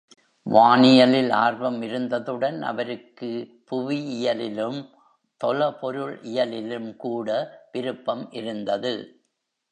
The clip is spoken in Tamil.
வானியலில் ஆர்வம் இருந்ததுடன் அவருக்கு புவியியலிலும், தொலபொருள் இயலிலும் கூட விருப்பம் இருந்தது.